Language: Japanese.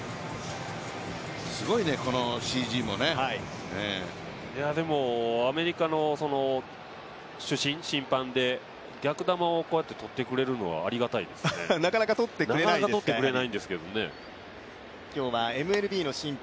すごいね、このＣＧもね。アメリカの主審、審判で逆球をこうやってとってくれるのはありがたいですね、なかなかとってくれないんですけどね。